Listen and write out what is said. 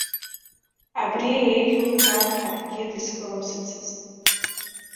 Абри еиӷьуп ҳәа акгьы дазкылымсыцызт.